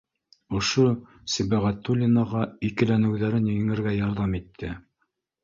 Ошо Сибәғәтуллинаға икеләнеүҙәрен еңергә ярҙам итте